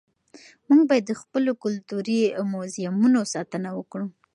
موږ باید د خپلو کلتوري موزیمونو ساتنه وکړو.